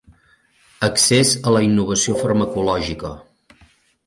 Accés a la innovació farmacològica.